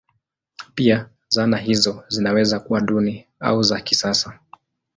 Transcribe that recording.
Pia zana hizo zinaweza kuwa duni au za kisasa.